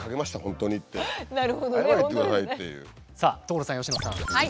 さあ所さん佳乃さん。